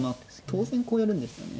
当然こうやるんですよね。